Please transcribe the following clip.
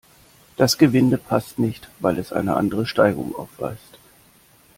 Das Gewinde passt nicht, weil es eine andere Steigung aufweist.